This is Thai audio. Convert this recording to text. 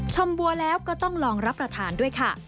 บัวแล้วก็ต้องลองรับประทานด้วยค่ะ